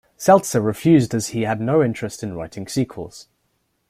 Seltzer refused as he had no interest in writing sequels.